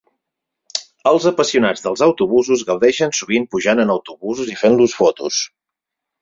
Els apassionats dels autobusos gaudeixen sovint pujant en autobusos i fent-los fotos.